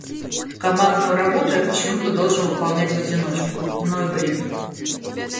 Командную работу я почему-то должен выполнять в одиночку. Ну и бред...